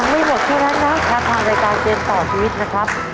ยังไม่หมดเท่านั้นนะครับทางรายการเจนต่อชีวิตนะครับ